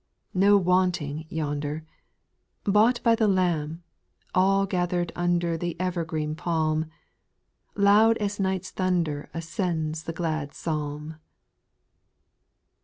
4. None wanting yonder I^ Bought by the Lamb, All gathered under The evergreen palm, Loud as night's thunder Ascends the glad psalm.